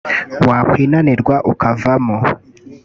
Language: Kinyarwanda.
wakwinanirwa ukavamo